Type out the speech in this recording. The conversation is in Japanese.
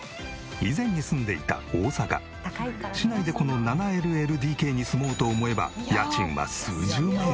以前に住んでいた大阪市内でこの７ＬＬＤＫに住もうと思えば家賃は数十万円。